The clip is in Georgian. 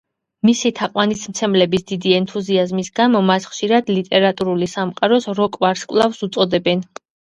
მისი თაყვანისმცემლების დიდი ენთუზიაზმის გამო მას ხშირად ლიტერატურული სამყაროს „როკ ვარსკვლავს“ უწოდებენ.